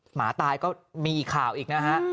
หมาตายก็มีอีกข่าวอีกนะฮะ